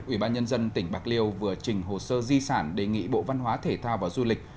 ủy ban nhân dân tỉnh bạc liêu vừa trình hồ sơ di sản đề nghị bộ văn hóa thể thao và du lịch